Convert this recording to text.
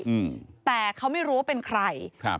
อืมแต่เขาไม่รู้ว่าเป็นใครครับ